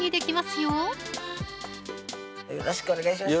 よろしくお願いします